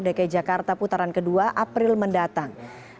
dki jakarta putaran kedua april mendatang